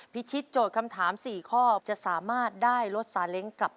พิชิตโจทย์คำถาม๔ข้อจะสามารถได้รถสาเล้งกลับไป